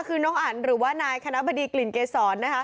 คือน้องอันหรือว่านายคณะบดีกลิ่นเกษรนะคะ